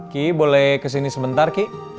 ki boleh kesini sebentar ki